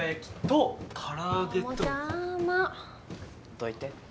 どいて。